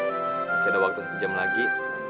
masih ada waktu satu jam lagi